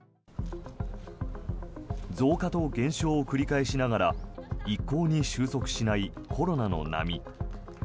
増加と減少を繰り返しながら一向に収束しないコロナの波。